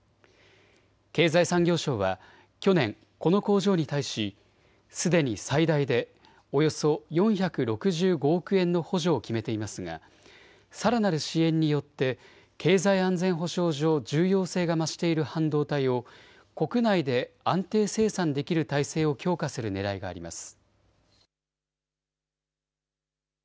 経済産業省は去年、この工場に対しすでに最大でおよそ４６５億円の補助を決めていますが、さらなる支援によって経済安全保障上、重要性が増している半導体を国内で安定生産できる体制を強化するねらいがあります。